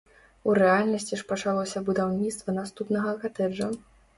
У рэальнасці ж пачалося будаўніцтва наступнага катэджа.